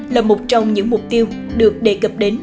là một trong những mục tiêu được đề cập đến